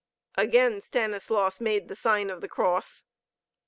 Again Stanislaus made the sign of the cross.